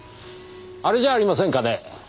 あれじゃありませんかね？